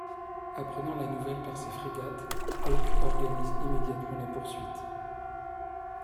Apprenant le nouvelle par ses frégates, Hawke organise immédiatement la poursuite.